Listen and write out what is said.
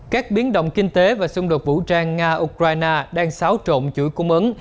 các biến động kinh tế và xung đột vũ trang nga ukraine đang xáo trộn chuỗi cung ứng